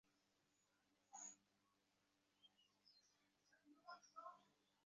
এই ঈশ্বরের দূত বার্তাবহ যীশু সত্যলাভের পথ দেখাইতে আসিয়াছিলেন।